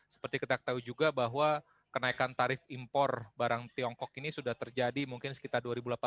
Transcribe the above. seperti kita tahu juga bahwa kenaikan tarif impor barang tiongkok ini sudah terjadi mungkin sekitar dua ribu delapan belas